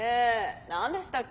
何でしたっけ？